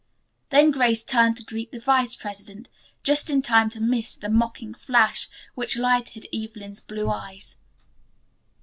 Then Grace turned to greet the vice president, just in time to miss the mocking flash which lighted Evelyn's blue eyes.